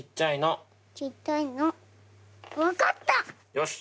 よし！